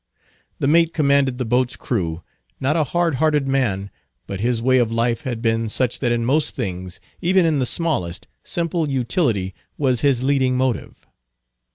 The mate commanded the boat's crew; not a hard hearted man, but his way of life had been such that in most things, even in the smallest, simple utility was his leading motive.